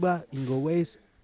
merapakan penyelesaian kelas dunia